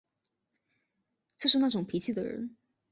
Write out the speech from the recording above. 就是那种脾气的人